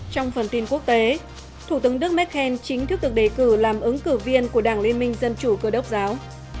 trong phần tin quốc tế thủ tướng đức merkel chính thức được đề cử làm ứng cử viên của đảng liên minh dân chủ cơ đốc giáo